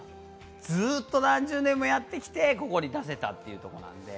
ずっと何十年もやってきて、ここに出せたというところなので。